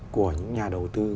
của những nhà đầu tư